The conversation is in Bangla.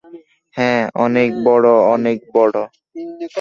হ্যাঁ, অনেক বড়, অনেক বড়।